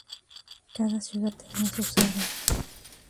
Cada ciudad tenía su sello.